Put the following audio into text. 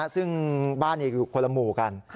ซึ่งบ้านนี้คือคนละหมู่กัน